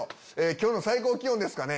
今日の最高気温ですかね？